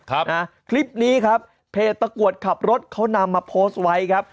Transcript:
ครับนะคลิปนี้ครับเพจตะกรวดขับรถเขานำมาโพสต์ไว้ครับ